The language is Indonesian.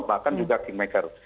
bahkan juga kingmaker